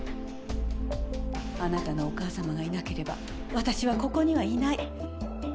あなたのお母さまがいなければ私はここにはいない。